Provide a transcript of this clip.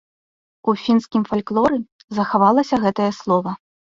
У фінскім фальклоры захавалася гэтае слова.